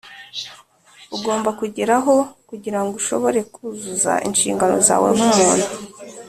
ugomba kugeraho, kugira ngo ushobore kuzuza inshingano zawe nk’umuntu